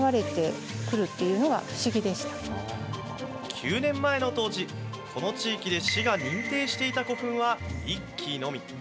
９年前の当時、この地域で市が認定していた古墳は１基のみ。